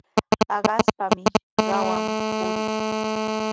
Paqaspami qamwan purii.